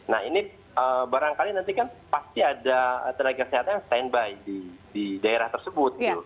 nah ini barangkali nanti kan pasti ada tenaga kesehatan yang standby di daerah tersebut